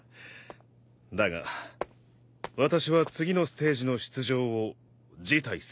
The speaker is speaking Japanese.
だが私は次のステージの出場を辞退する。